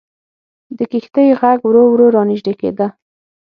د کښتۍ ږغ ورو ورو را نژدې کېده.